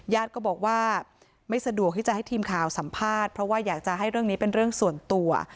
ก็บอกว่าไม่สะดวกที่จะให้ทีมข่าวสัมภาษณ์เพราะว่าอยากจะให้เรื่องนี้เป็นเรื่องส่วนตัว